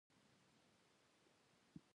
غریب تل د شپو ملګری وي